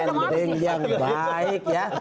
ending yang baik ya